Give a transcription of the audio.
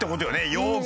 よく。